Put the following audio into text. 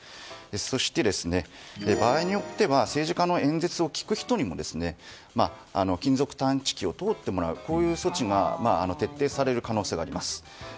そして、場合によっては政治家の演説を聞く人にも金属探知機を通ってもらうという措置が徹底される可能性があります。